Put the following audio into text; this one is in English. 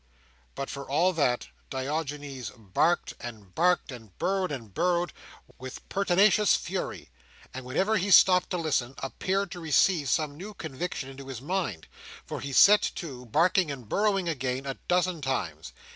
But for all that, Diogenes barked and barked, and burrowed and burrowed, with pertinacious fury; and whenever he stopped to listen, appeared to receive some new conviction into his mind, for he set to, barking and burrowing again, a dozen times.